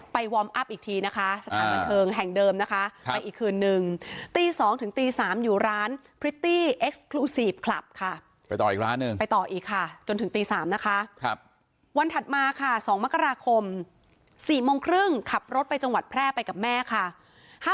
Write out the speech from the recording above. ไปต่ออีกค่ะจนถึงตี๓นะคะครับวันถัดมาค่ะ๒มกราคม๔โมงครึ่งขับรถไปจังหวัดแพร่ไปกับแม่ค่ะ